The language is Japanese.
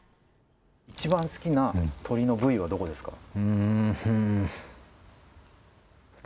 一番好きな鶏の部位はどこですか。